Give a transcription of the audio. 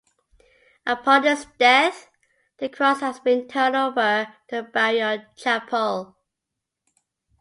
Upon his death, the cross has been turned over to the barrio chapel.